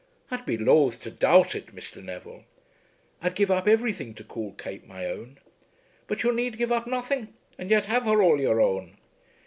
"I'd be lothe to doubt it, Mr. Neville." "I'd give up everything to call Kate my own." "But you need give up nothing, and yet have her all your own."